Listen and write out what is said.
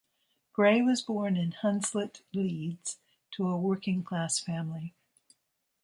Bray was born in Hunslet, Leeds, to a working-class family.